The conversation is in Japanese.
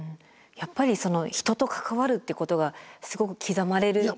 やっぱり人と関わるってことがすごく刻まれる。